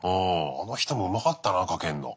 あの人もうまかったなかけるの。